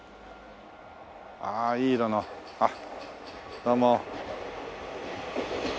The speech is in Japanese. ああいい色のあっどうも。